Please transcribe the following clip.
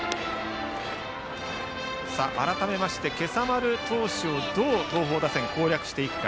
改めまして、今朝丸投手をどう東邦打線が攻略していくか。